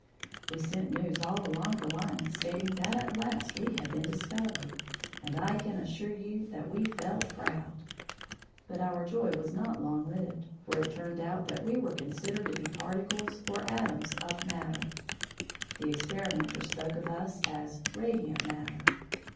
We sent news all along the line stating that at last we had been discovered, and I can assure you that we felt proud. But our joy was not long lived, for it turned out that we were considered to be particles or atoms of matter; the experimenter spoke of us as "radiant matter."